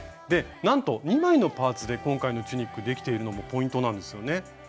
でなんと２枚のパーツで今回のチュニックできているのもポイントなんですよね。